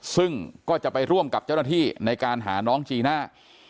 ซึ่งก็จะไปร่วมกับเจ้าหน้าที่ในการหาน้องจีน่า